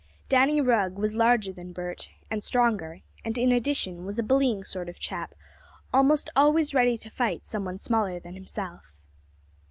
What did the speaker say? Danny Rugg was larger than Bert, and stronger, and, in addition, was a bullying sort of chap, almost always ready to fight some one smaller than himself.